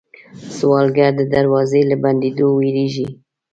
سوالګر د دروازې له بندېدو وېرېږي